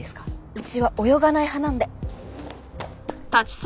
うちは泳がない派なんで。